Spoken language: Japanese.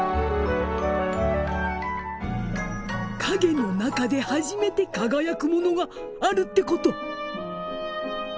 影の中で初めて輝くものがあるってこと。